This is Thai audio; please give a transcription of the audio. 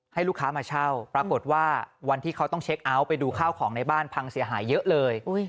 ให้ลูกค้ามาเช่าปรากฏว่าวันที่เขาต้องเช็คเอาท์ไปดูข้าวของในบ้านพังเสียหายเยอะเลย